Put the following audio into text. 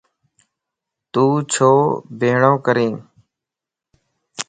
تو ڇو ٻيھڻو ڪرين؟